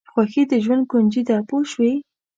خوښي د ژوند کونجي ده پوه شوې!.